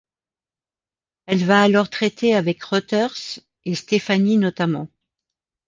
Elle va alors traiter avec Reuters et Stefani notamment.